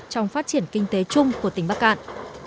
trong phát triển kinh tế chung của tỉnh bắc cạn